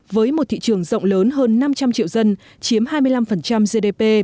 với một thị trường rộng lớn hơn năm trăm linh triệu dân chiếm hai mươi năm gdp